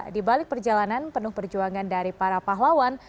di balik perjalanan penuh perjuangan dari para pahlawan